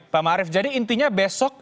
pak marief jadi intinya besok